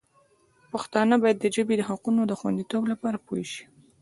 پښتانه باید د ژبې د حقونو د خوندیتوب لپاره پوه شي.